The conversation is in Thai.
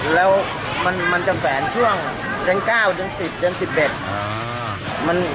แล้วมันจะแวนช่วงเดือน๙๑๑